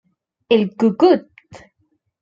El "¡Cu-cut!